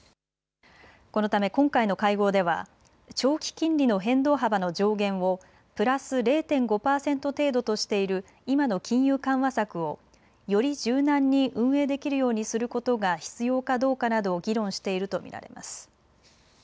このため今回の会合では長期金利の変動幅の上限をプラス０．５％程度としている今の金融緩和策をより柔軟に運営できるようにすることが必要かどうかなどを議論していると見られます。